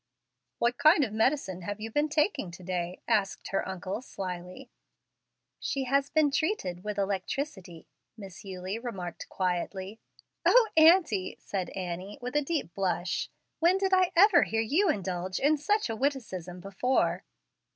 "What kind of medicine have you been taking to day?" asked her uncle, slyly. "She has been treated with electricity," Miss Eulie remarked, quietly. "O, aunty!" said Annie, with a deep blush, "when did I ever hear you indulge in such a witticism before?"